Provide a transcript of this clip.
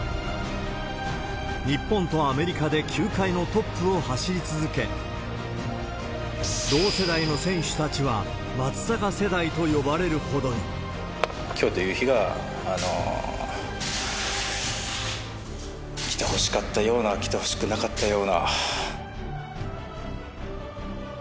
日本とアメリカで球界のトップを走り続け、同世代の選手たちは、松坂世代と呼ばれるほどに。きょうという日が来てほしかったような、来てほしくなかったような。